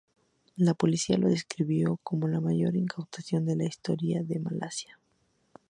La policía lo describió como la mayor incautación en la historia de Malasia.